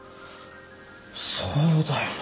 そうだよな。